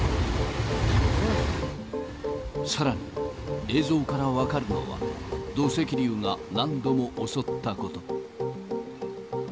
さらに、映像から分かるのは土石流が何度も襲ったこと。